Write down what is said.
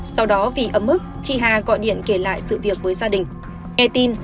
sau đó vì ấm ức chị hà gọi điện kể lại sự việc với gia đình